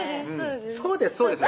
そうですそうです